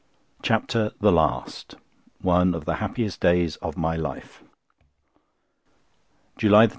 CHAPTER THE LAST One of the happiest days of my life. JULY 10.